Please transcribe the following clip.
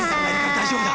大丈夫だ。